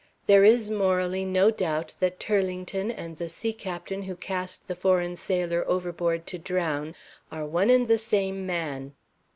There is, morally, no doubt that Turlington and the sea captain who cast the foreign sailor overboard to drown are on e and the same man.